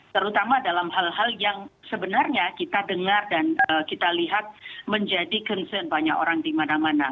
terutama dalam hal hal yang sebenarnya kita dengar dan kita lihat menjadi concern banyak orang di mana mana